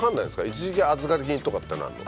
一時預かり金とかってなるの？